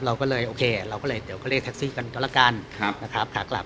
เราก็เลยโอเคเราก็เลยเดี๋ยวก็เรียกแท็กซี่กันก็แล้วกันนะครับขากลับ